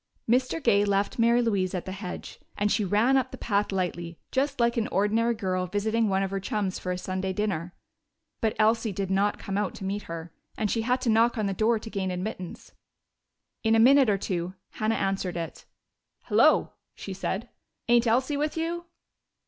Mr. Gay left Mary Louise at the hedge, and she ran up the path lightly, just like an ordinary girl visiting one of her chums for a Sunday dinner. But Elsie did not come out to meet her, and she had to knock on the door to gain admittance. In a minute or two Hannah answered it. "Hello!" she said. "Ain't Elsie with you?"